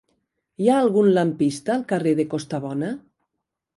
Hi ha algun lampista al carrer de Costabona?